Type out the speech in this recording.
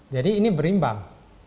jadi ini berimbang